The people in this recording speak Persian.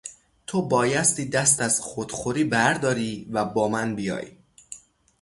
تو بایستی دست از خودخوری برداری و با من بیایی.